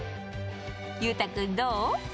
裕太君、どう？